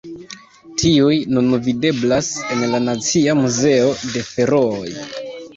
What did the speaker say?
Tiuj nun videblas en la Nacia Muzeo de Ferooj.